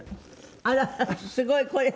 あらすごいこれ。